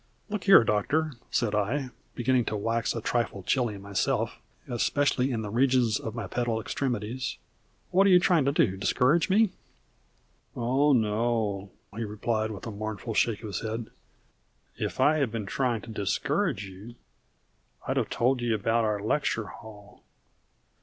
"Look here, Doctor!" said I, beginning to wax a trifle chilly myself, especially in the regions of my pedal extremities. "What are you trying to do, discourage me?" "Oh, no," he replied, with a mournful shake of his head. "If I'd been trying to discourage you, I'd have told you about our lecture hall.